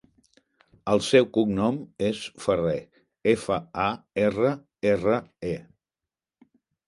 El seu cognom és Farre: efa, a, erra, erra, e.